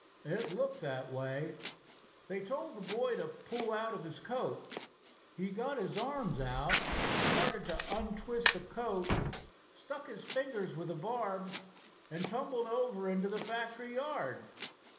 "It looked that way. They told the boy to pull out of his coat. He got his arms out, started to untwist the coat, stuck his fingers with the barbs, and tumbled over into the factory yard."